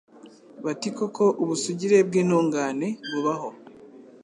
bati Koko ubusugire bw’intungane bubaho